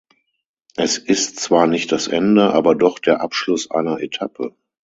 Es ist zwar nicht das Ende, aber doch der Abschluss einer Etappe.